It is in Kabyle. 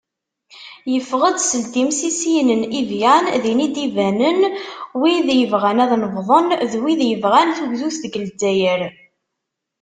Yeffeɣ-d seld imsisiyen n Ivyan, din i d-banen wid yebɣan ad nebḍen d wid yebɣan tugdut deg Lezzayer.